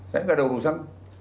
saya nggak ada urusan